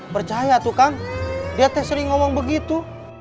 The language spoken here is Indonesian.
percaya tuh kang dia sering ngomong begitu